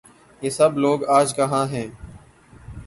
یہ سب لوگ آج کہاں ہیں؟